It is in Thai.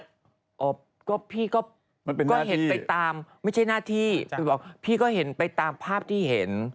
เออพี่ก็เห็นไปตามไม่ใช่หน้าที่พี่ก็เห็นไปตามภาพที่เห็นพี่ก็เห็นไปตามไม่ใช่หน้าที่พี่ก็เห็นไปตามภาพที่เห็น